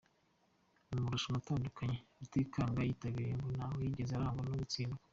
Mu marushanwa atandukanye, Rutikanga yitabiriye ngo ntaho yigeze arangwa no gutsindwa.